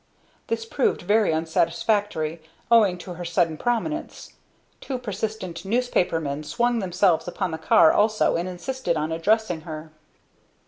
This proved very unsatisfactory, owing to her sudden prominence. Two persistent newspaper men swung themselves upon the car also and insisted on addressing her.